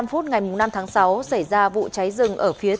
một mươi ba h bốn mươi năm ngày năm tháng sáu xảy ra vụ cháy rừng ở phía đất